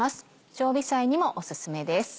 常備菜にもオススメです。